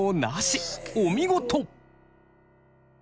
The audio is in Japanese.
お見事！